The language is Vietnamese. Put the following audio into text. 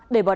để bảo đảm